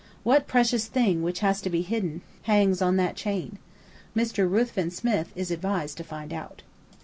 What precious thing which has to be hidden hangs on that chain? Mr. Ruthven Smith is advised to find out.